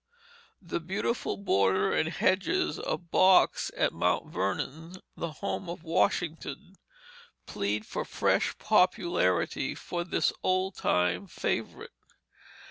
The beautiful border and hedges of box at Mount Vernon, the home of Washington, plead for fresh popularity for this old time favorite.